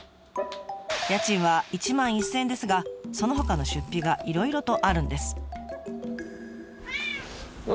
家賃は１万１，０００円ですがそのほかの出費がいろいろとあるんです。